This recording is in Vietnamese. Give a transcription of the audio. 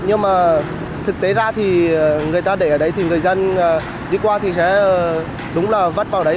nhưng mà thực tế ra thì người ta để ở đấy thì người dân đi qua thì sẽ đúng là vất vào đấy